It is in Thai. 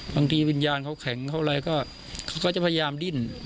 วิญญาณเขาแข็งเขาอะไรเขาก็จะพยายามดิ้น